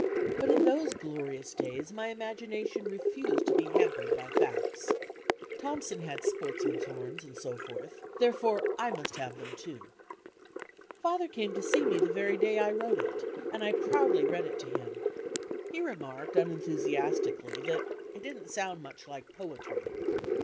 But in dtose glorious days my imagination refused to be hampered by facts. Thomson had sportsman's horns and so forth; therefore I must have diem too. Father came to see me the very day I wrote it, and I proudly read it to him. He remarked unenthusiastically that "it didn't sound much like poetry."